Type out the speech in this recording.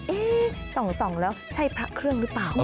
ส่องแล้วใช่พระเครื่องหรือเปล่า